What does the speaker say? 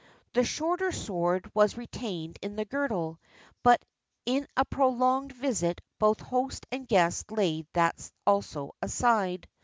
The shorter sword was retained in the girdle; but in a prolonged visit both host and guest laid that also aside.